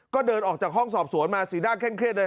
ก็เดินออกจากห้องสอบสวนมาสีหน้าเคร่งเครียดเลย